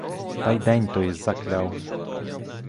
Та й день той закляв.